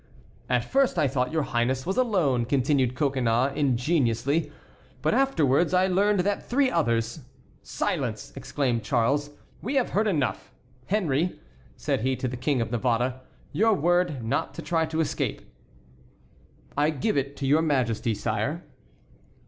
"At first I thought your highness was alone," continued Coconnas, ingenuously, "but afterwards I learned that three others"— "Silence!" exclaimed Charles; "we have heard enough. Henry," said he to the King of Navarre, "your word not to try to escape." "I give it to your Majesty, sire."